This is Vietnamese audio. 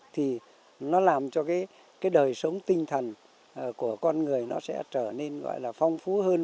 thì nó làm cho cái đời sống tinh thần của con người nó sẽ trở nên gọi là phong phú hơn